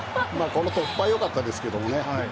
この突破、よかったですけどね。